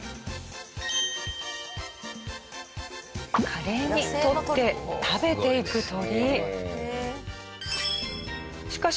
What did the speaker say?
華麗に取って食べていく鳥。